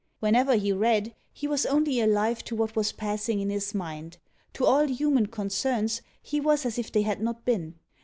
whenever he read, he was only alive to what was passing in his mind; to all human concerns, he was as if they had not been!